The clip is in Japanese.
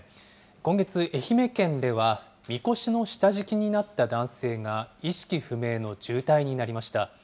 今月、愛媛県では、みこしの下敷きになった男性が意識不明の重体になりました。